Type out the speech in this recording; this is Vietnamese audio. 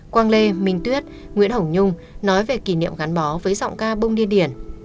quang lê minh tuyết nguyễn hồng nhung nói về kỷ niệm gắn bó với giọng ca bông điên điển